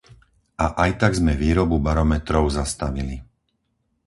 A aj tak sme výrobu barometrov zastavili.